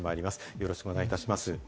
よろしくお願いします。